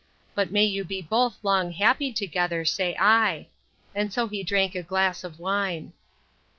But may you be both long happy together, say I! And so he drank a glass of wine.